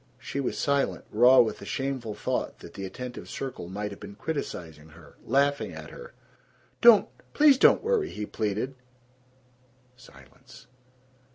She was silent, raw with the shameful thought that the attentive circle might have been criticizing her, laughing at her. "Don't, please don't worry!" he pleaded. "Silence."